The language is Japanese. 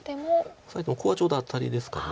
オサえてもここがちょうどアタリですから。